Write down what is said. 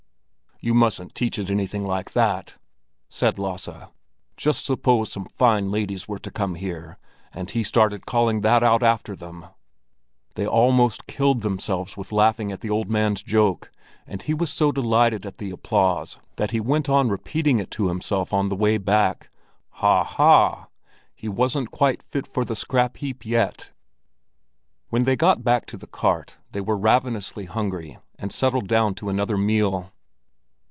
"You mustn't teach it anything like that," said Lasse. "Just suppose some fine ladies were to come here, and he started calling that out after them?" They almost killed themselves with laughing at the old man's joke, and he was so delighted at the applause that he went on repeating it to himself on the way back. Ha, ha! he wasn't quite fit for the scrap heap yet. When they got back to the cart they were ravenously hungry and settled down to another meal.